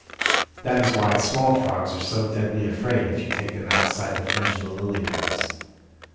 That is why small frogs are so deadly afraid if you take them outside the fringe of lily pads.